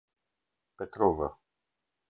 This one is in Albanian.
Petrovë